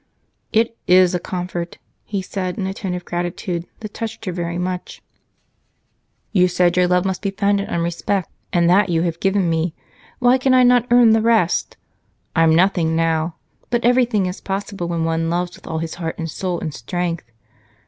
"It is a comfort!" he said, in a tone of gratitude that touched her very much. "You said your love must be founded on respect, and that you have given me why can I not earn the rest? I'm nothing now, but everything is possible when one loves with all his heart and soul and strength.